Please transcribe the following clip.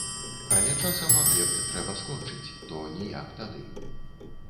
Але часам аб'ект трэба скончыць, то ніяк тады.